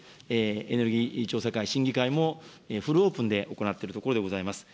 エネルギー調査会、審議会もフルオープンで行っているところでございます。